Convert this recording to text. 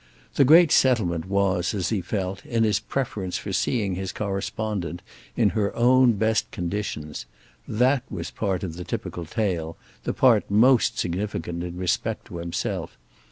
The great settlement was, as he felt, in his preference for seeing his correspondent in her own best conditions. That was part of the typical tale, the part most significant in respect to himself.